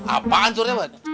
apaan surnya pak